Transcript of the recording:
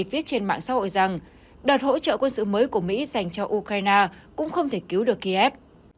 viết trên mạng xã hội rằng đợt hỗ trợ quân sự mới của mỹ dành cho ukraine cũng không thể cứu được kiev